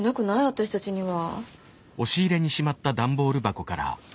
私たちには。